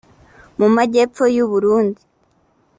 mu majyepfo y’u Burundi